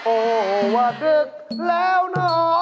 โอ้วะตึกแล้วหนอ